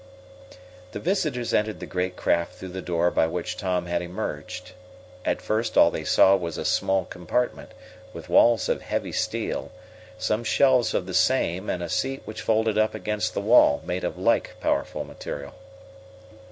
The visitors entered the great craft through the door by which Tom had emerged. At first all they saw was a small compartment, with walls of heavy steel, some shelves of the same and a seat which folded up against the wall made of like powerful material.